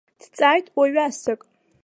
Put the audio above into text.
Дҵааит уаҩасак.